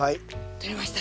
取れました。